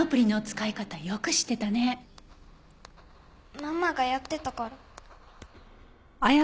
ママがやってたから。